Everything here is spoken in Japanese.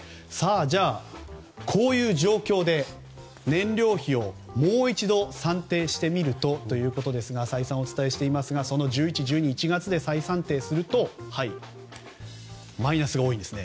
じゃあ、こういう状況で燃料費をもう一度算定してみるとということですが１１、１２、１月で算定するとマイナスが多いんです。